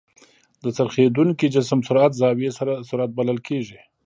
د څرخېدونکي جسم سرعت زاويي سرعت بلل کېږي.